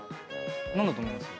何だと思います？